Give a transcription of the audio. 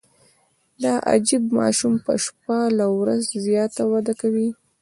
دا عجیب ماشوم په شپه له ورځ زیاته وده کوي.